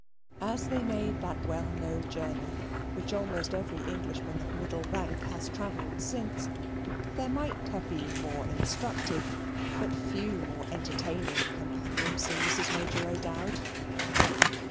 As they made that well known journey, which almost every Englishman of middle rank has travelled since, there might have been more instructive, but few more entertaining, companions than Mrs. Major O'Dowd.